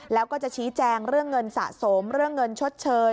แล้วก็จะชี้แจงเรื่องเงินสะสมเรื่องเงินชดเชย